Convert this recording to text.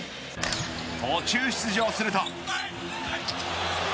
途中出場すると。